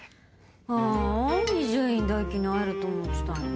ああ伊集院大樹に会えると思ってたのに。